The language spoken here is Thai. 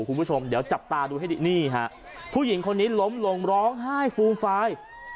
คุณผู้ชมเดี๋ยวจับตาดูให้ดีนี่ฮะผู้หญิงคนนี้ล้มลงร้องไห้ฟูมฟาย